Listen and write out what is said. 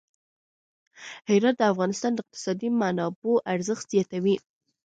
هرات د افغانستان د اقتصادي منابعو ارزښت زیاتوي.